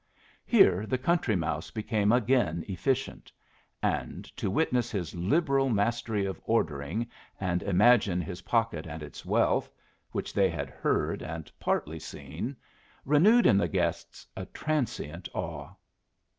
Here the Country Mouse became again efficient; and to witness his liberal mastery of ordering and imagine his pocket and its wealth, which they had heard and partly seen, renewed in the guests a transient awe.